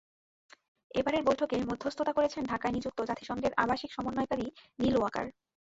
এবারের বৈঠকে মধ্যস্থতা করছেন ঢাকায় নিযুক্ত জাতিসংঘের আবাসিক সমন্বয়কারী নিল ওয়াকার।